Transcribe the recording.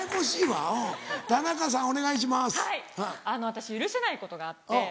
私許せないことがあって。